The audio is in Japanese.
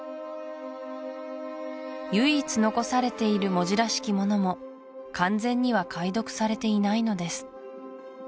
唯一残されている文字らしきものも完全には解読されていないのです